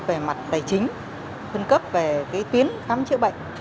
về mặt tài chính phân cấp về tuyến khám chữa bệnh